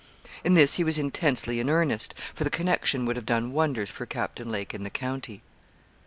In this he was intensely in earnest, for the connection would have done wonders for Captain Lake in the county.